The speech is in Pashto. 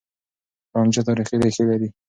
رانجه تاريخي ريښې لري.